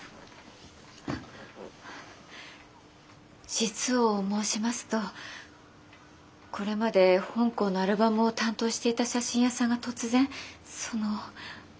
実を申しますとこれまで本校のアルバムを担当していた写真屋さんが突然その。